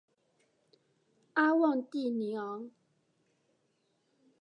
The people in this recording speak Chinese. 阿旺蒂尼昂。